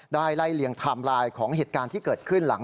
ไล่เลี่ยงไทม์ไลน์ของเหตุการณ์ที่เกิดขึ้นหลัง